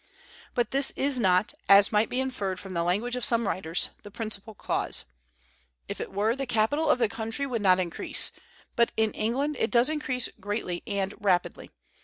But this is not, as might be inferred from the language of some writers, the principal cause. If it were, the capital of the country would not increase; but in England it does increase greatly and rapidly.